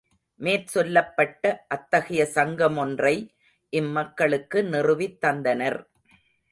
மேற்சொல்லப்பட்ட அத்தகைய சங்கமொன்றை இம்மக்களுக்கு நிறுவித்தந்தனர்.